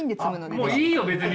もういいよ別に！